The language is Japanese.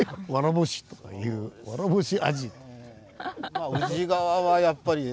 まあ宇治川はやっぱり。